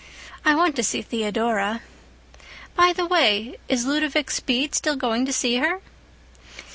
I want to see Theodora. By the way, is Ludovic Speed still going to see her?"